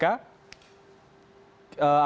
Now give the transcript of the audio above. kita ke gedung kpk